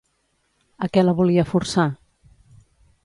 A què la volia forçar?